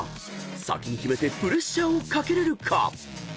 ［先にキメてプレッシャーをかけれるか］